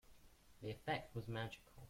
The effect was magical.